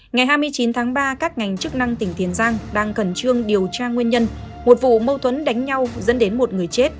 ngày hai mươi chín tháng ba các ngành chức năng tỉnh tiền giang đang khẩn trương điều tra nguyên nhân một vụ mâu thuẫn đánh nhau dẫn đến một người chết